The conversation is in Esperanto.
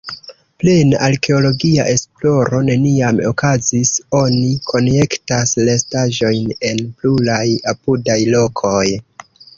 Plena arkeologia esploro neniam okazis, oni konjektas restaĵojn en pluraj apudaj lokoj.